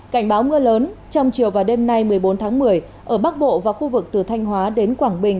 cảnh báo mưa lớn trong chiều và đêm nay một mươi bốn tháng một mươi ở bắc bộ và khu vực từ thanh hóa đến quảng bình